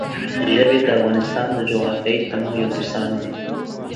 ژبې د افغانستان د جغرافیوي تنوع یو مثال دی.